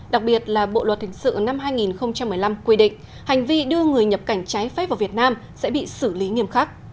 đặc biệt là bộ luật hình sự năm hai nghìn một mươi năm quy định hành vi đưa người nhập cảnh trái phép vào việt nam sẽ bị xử lý nghiêm khắc